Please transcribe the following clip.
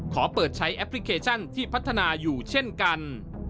ขอเปิดใช้แอปพลิเคชันที่พัฒนาอยู่เช่นกัน